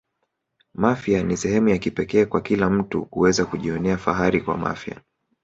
mafia ni sehemu ya kipekee kwa kila mtu kuweza kujionea fahari wa mafia